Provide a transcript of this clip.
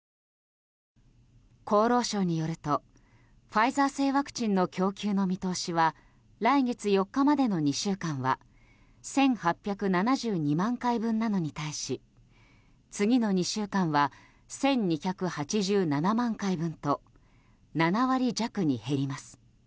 厚労省によるとファイザー製ワクチンの供給の見通しは来月４日までの２週間は１８７２万回分なのに対し次の２週間は１２８７万回分と７割弱に減ります。